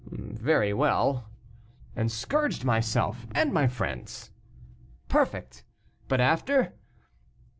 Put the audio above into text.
"Very well." "And scourged myself and my friends." "Perfect! but after?"